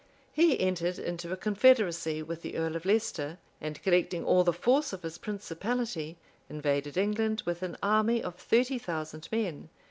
He entered into a confederacy with the earl of Leicester, and collecting all the force of his principality, invaded England with an army of thirty thousand men.